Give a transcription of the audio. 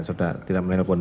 saudara tidak menelpon